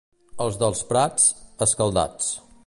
Els dels Prats, escaldats.